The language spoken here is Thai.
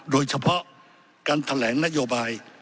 โดยเฉพาะการแถลงนโยบาย